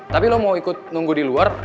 tapi lo mau ikut nunggu di luar